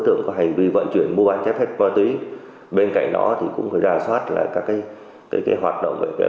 tượng có hành vi vận chuyển mua bán chép phép ma túy bên cạnh đó thì cũng phải ra soát các hoạt động